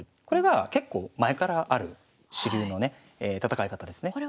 これが結構前からある主流のね戦い方ですね。